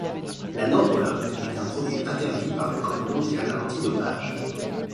La nandrolone est un produit interdit par le code mondial antidopage.